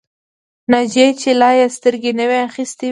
ناجيې چې لا يې سترګې نه وې اخيستې وویل